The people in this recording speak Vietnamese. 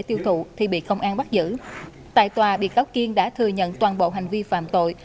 tại tòa biệt cáo kiên đã thừa nhận toàn bộ hành vi phạm tội